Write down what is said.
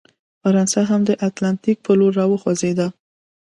فرانسه هم اتلانتیک په لور راوخوځېده.